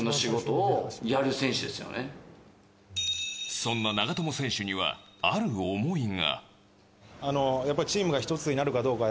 そんな長友選手にはある思いが。